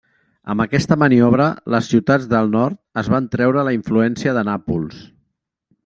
Amb aquesta maniobra, les ciutats del nord es van treure la influència de Nàpols.